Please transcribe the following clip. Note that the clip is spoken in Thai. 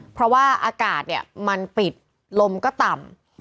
เพราะว่าอากาศเนี่ยมันปิดลมก็ต่ำ